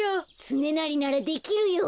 つねなりならできるよ。